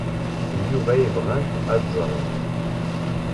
D Yuba ay bɣant ad ẓrent.